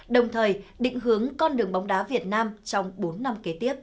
đồng thời định hướng con đường bóng đá việt nam trong bốn năm